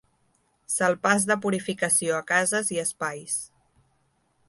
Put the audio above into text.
Salpàs de purificació a cases i espais.